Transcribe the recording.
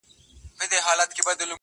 پرېږده چي لمبې پر نزله بلي کړي؛